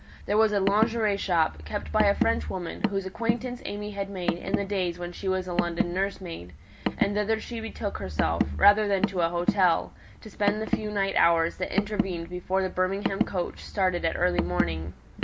There was a "lingerie" shop, kept by a Frenchwoman, whose acquaintance AimÄe had made in the days when she was a London nursemaid, and thither she betook herself, rather than to an hotel, to spend the few night hours that intervened before the Birmingham coach started at early morning.